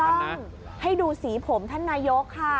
ถูกต้องให้ดูสีผมท่านนายก